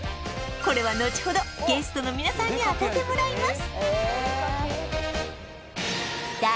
これは後ほどゲストの皆さんに当ててもらいます